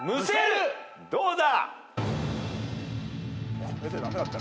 どうだ！？